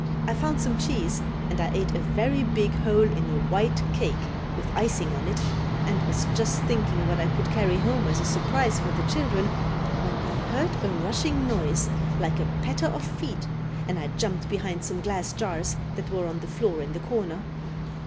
I found some cheese and I ate a very big hole in a white cake with icing on it and was just thinking what I could carry home as a surprise for the children when I heard a rushing noise like the patter of feet and I jumped behind some glass jars that were on the floor in the corner.